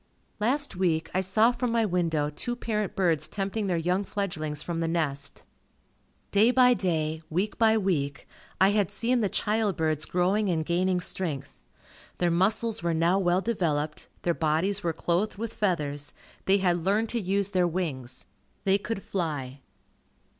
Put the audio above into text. Last week, I saw from my window two parent birds tempting their young fledglings from the nest. Day by day, week by week, I had seen the child birds growing and gaining strength. Their muscles were now well developed, their bodies were clothed with feathers, they had learned to use their wings, they could fly.